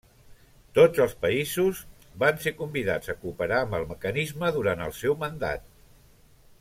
Tots els països van ser convidats a cooperar amb el mecanisme durant el seu mandat.